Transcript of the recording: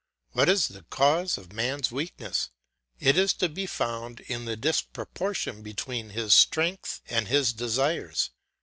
What is the cause of man's weakness? It is to be found in the disproportion between his strength and his desires.